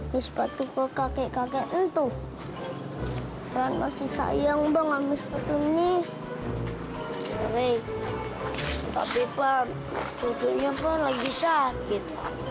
hai sepatu ke kakek kakek itu karena si sayang banget nih tapi pak sujudnya lagi sakit